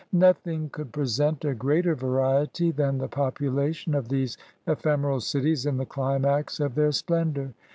Nothing could present a greater variety than the population of these ephemeral cities in the climax of their splendor.